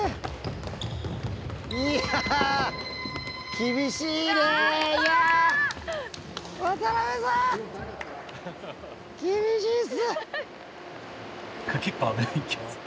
厳しいっす！